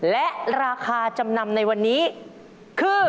และราคาจำนำในวันนี้คือ